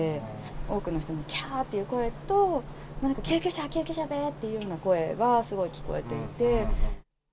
多くの人のきゃーっという声と、なんか、救急車、救急車でっていう声がすごい聞こえていて。